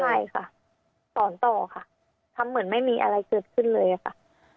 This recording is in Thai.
ใช่ค่ะสอนต่อค่ะทำเหมือนไม่มีอะไรเกิดขึ้นเลยค่ะ